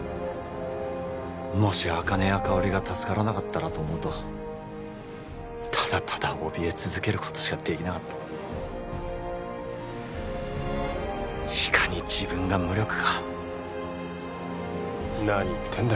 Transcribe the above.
もし茜や香織が助からなかったらと思うとただただおびえ続けることしかできなかったいかに自分が無力か何言ってんだ